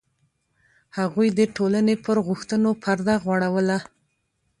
هغوی د ټولنې پر غوښتنو پرده غوړوله.